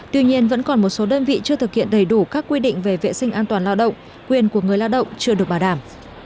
tuy nhiên vẫn còn một số đơn vị chưa thực hiện đầy đủ các quy định về vệ sinh an toàn lao động quyền của người lao động chưa được bảo đảm